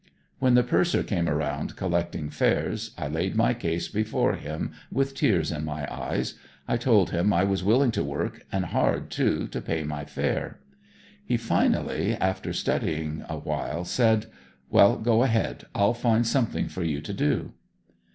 When the Purser came around collecting fares, I laid my case before him with tears in my eyes; I told him I was willing to work and hard, too, to pay my fare. He finally, after studying awhile, said, "Well go ahead, I'll find something for you to do."